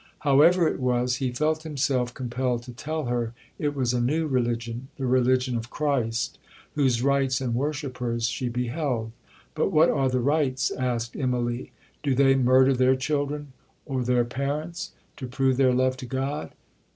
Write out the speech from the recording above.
However it was, he felt himself compelled to tell her it was a new religion, the religion of Christ, whose rites and worshippers she beheld. 'But what are the rites?' asked Immalee. 'Do they murder their children, or their parents, to prove their love to God?